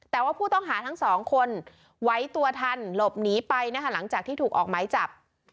แต่ว่าผู้ต้องหาทั้งสองคนไหวตัวทันหลบหนีไปนะคะหลังจากที่ถูกออกหมายจับ